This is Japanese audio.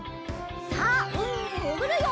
さあうみにもぐるよ！